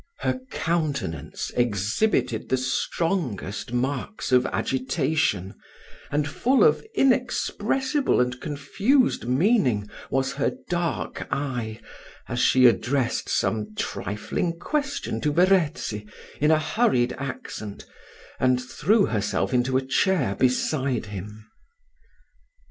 Her countenance exhibited the strongest marks of agitation, and full of inexpressible and confused meaning was her dark eye, as she addressed some trifling question to Verezzi, in a hurried accent, and threw herself into a chair beside him.